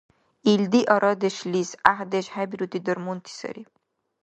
Илди арадешлис гӀяхӀдеш хӀебирути дармунти сари.